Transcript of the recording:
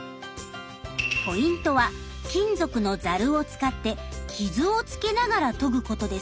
ポイントは金属のザルを使ってキズをつけながらとぐことです。